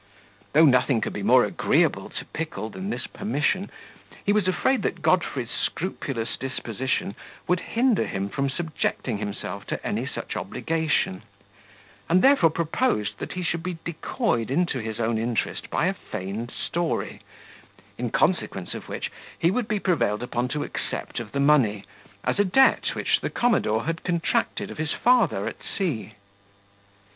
Though nothing could be more agreeable to Pickle than this permission, he was afraid that Godfrey's scrupulous disposition would hinder him from subjecting himself to any such obligation; and therefore proposed that he should be decoyed into his own interest by a feigned story, in consequence of which he would be prevailed upon to accept of the money, as a debt which the commodore had contracted of his father at sea.